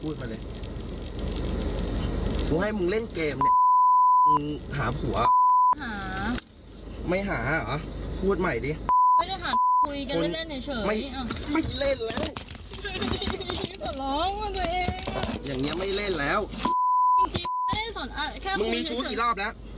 อย่างเนี้ยไม่เล่นแล้วจริงจริงไม่ได้สนอาจมึงมีชุดอีกรอบแล้ว